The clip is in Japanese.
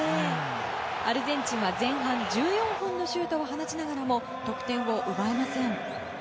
アルゼンチンは前半１４本のシュートを放ちながらも得点を奪えません。